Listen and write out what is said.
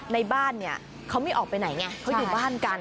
ในบ้านเนี่ยเขาไม่ออกไปไหนไงเขาอยู่บ้านกัน